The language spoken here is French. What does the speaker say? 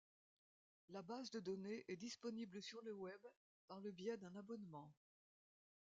La base de données est disponible sur le web par le biais d'un abonnement.